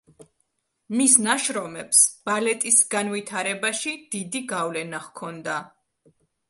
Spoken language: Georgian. მის ნაშრომებს ბალეტის განვითარებაში დიდი გავლენა ჰქონდა.